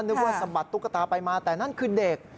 นึกว่าสะบัดตุ๊กตาไปมาแต่นั่นคือเด็ก